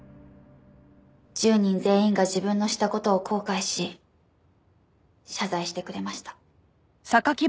１０人全員が自分のした事を後悔し謝罪してくれました。